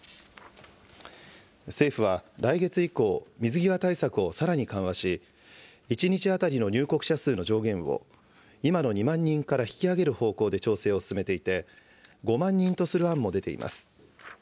政府は、来月以降、水際対策をさらに緩和し、１日当たりの入国者数の上限を今の２万人から引き上げる方向で調整を進めていて、５万人とする案も出ています。